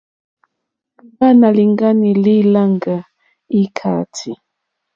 Imba nà lìŋgani li làŋga ikàati.